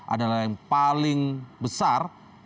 adalah yang paling besar